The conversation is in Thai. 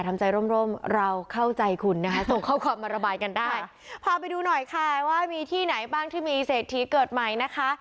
ทำใจร่มร่มเราเข้าใจคุณนะคะส่งข้อความมาระบายกันได้พาไปดูหน่อยค่ะว่ามีที่ไหนบ้างที่มีเศรษฐีเกิดใหม่นะคะ